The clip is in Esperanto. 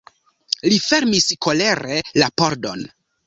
Li fermis kolere la pordon.